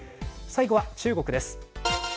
最後は中国です。